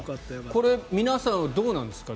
これ皆さん、どうなんですか。